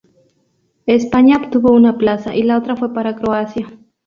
España obtuvo una plaza y la otra fue para Croacia.